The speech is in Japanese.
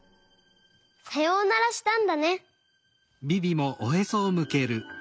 さようならしたんだね。